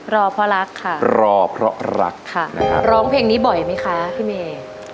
รอเพราะรักค่ะรอเพราะรักค่ะนะคะร้องเพลงนี้บ่อยไหมคะพี่เมย์